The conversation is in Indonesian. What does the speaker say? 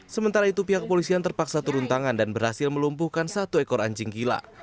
sementara itu pihak kepolisian terpaksa turun tangan dan berhasil melumpuhkan satu ekor anjing gila